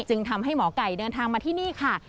จึงทำให้หมอไก่เดินทางมาที่นี่ค่ะ